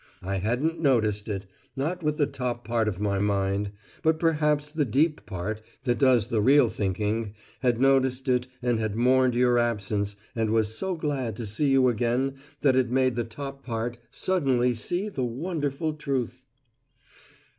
I hadn't noticed it not with the top part of my mind, but perhaps the deep part that does the real thinking had noticed it and had mourned your absence and was so glad to see you again that it made the top part suddenly see the wonderful truth!"